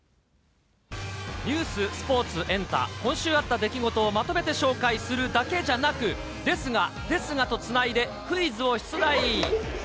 ニュース、スポーツ、エンタ、今週あった出来事をまとめて紹介するだけじゃなく、ですが、ですがとつないで、クイズを出題。